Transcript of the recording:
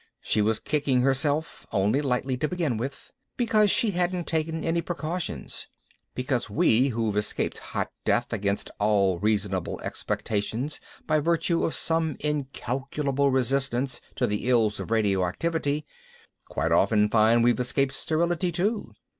She was kicking herself, only lightly to begin with, because she hadn't taken any precautions because we who've escaped hot death against all reasonable expectations by virtue of some incalculable resistance to the ills of radioactivity, quite often find we've escaped sterility too.